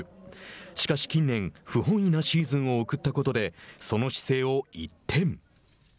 しかし近年、不本意なシーズンを送ったことでその姿勢を一転。